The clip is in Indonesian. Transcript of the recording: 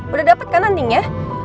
udah dapet kan antingnya